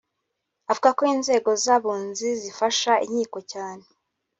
avuga ko inzego z’abunzi zifasha inkiko cyane